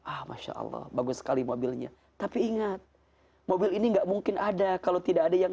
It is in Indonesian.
ah masya allah bagus sekali mobilnya tapi ingat mobil ini enggak mungkin ada kalau tidak ada yang